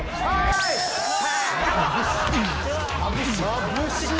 まぶしい！